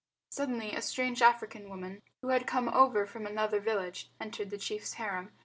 Suddenly a strange African woman, who had come over from another village, entered the chief's harem.